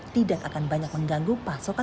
tidak akan banyak mengganggu pasokan